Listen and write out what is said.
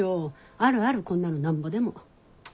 あるあるこんなのなんぼでも。